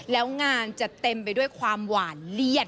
แล้วงานจะเต็มไปด้วยความหวานเลียด